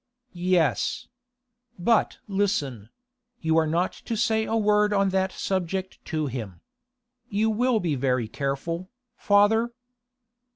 'Yes. But listen; you are not to say a word on that subject to him. You will be very careful, father?